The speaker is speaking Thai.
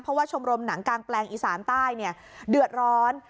เพราะว่าชมรมหนังกางแปลงอีสานใต้เดือดร้อน